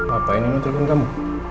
apa yang nino terima kamu